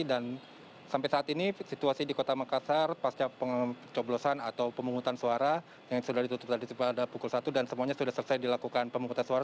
dan sampai saat ini situasi di kota makassar pasca pengecoblosan atau pemungutan suara yang sudah ditutup tadi pada pukul satu dan semuanya sudah selesai dilakukan pemungutan suara